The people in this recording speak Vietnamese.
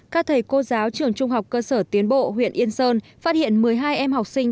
các thầy cô giáo trường trung học cơ sở tiến bộ huyện yên sơn phát hiện một mươi hai em học sinh